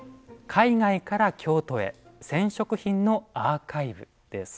「海外から京都へ染織品のアーカイブ」です。